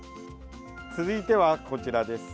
続いては、こちらです。